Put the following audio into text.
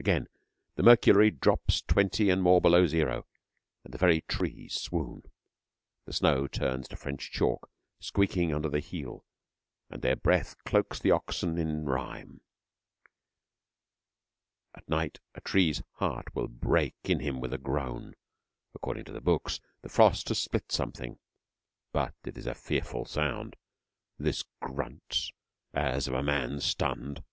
Again the mercury drops twenty and more below zero, and the very trees swoon. The snow turns to French chalk, squeaking under the heel, and their breath cloaks the oxen in rime. At night a tree's heart will break in him with a groan. According to the books, the frost has split something, but it is a fearful sound, this grunt as of a man stunned.